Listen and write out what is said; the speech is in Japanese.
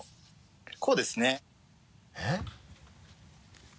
こうですね。えっ？